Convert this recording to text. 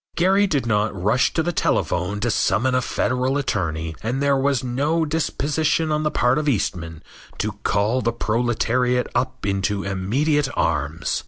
Gary did not rush to the telephone to summon a Federal attorney, and there was no disposition on the part of Eastman to call the proletariat up into immediate arms.